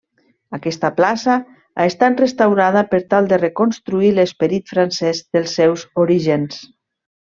Aquesta plaça ha estat restaurada per tal de reconstruir l'esperit francès dels seus orígens.